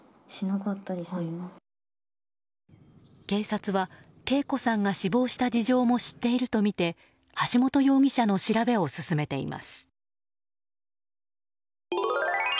警察は啓子さんが死亡した事情も知っているとみて橋本容疑者の調べを進めています。